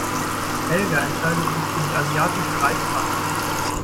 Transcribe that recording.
Helga entscheidet sich für die asiatische Reispfanne.